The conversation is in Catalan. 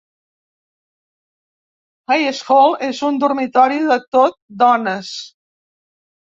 Hayes Hall és un dormitori de tot dones.